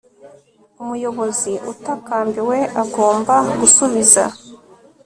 umuyobozi utakambiwe agomba gusubiza